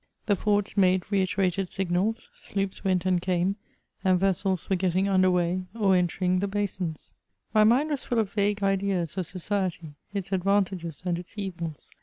The forts made reiterated signals, sloops went and' came, and vessels were getting under weigh, or entering the hasius. My mind was full of vague ideas of society ; its advan tages and its evils.